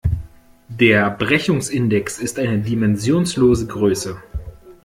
Der Brechungsindex ist eine dimensionslose Größe.